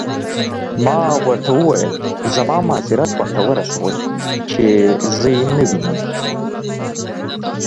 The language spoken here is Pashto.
ما ورته وویل: زما معذرت ورته ورسوئ، چې زه يې نه وینم.